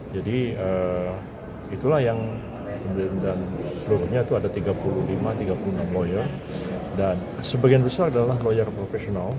jadi itulah yang kemudian dan seluruhnya itu ada tiga puluh lima tiga puluh enam lawyer dan sebagian besar adalah lawyer profesional